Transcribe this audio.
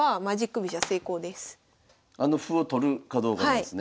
あの歩を取るかどうかなんですね。